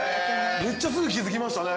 めっちゃすぐ気づきましたね。